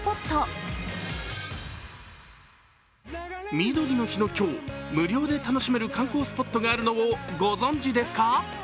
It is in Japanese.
みどりの日の今日、無料で楽しめる観光スポットがあるのをご存じですか？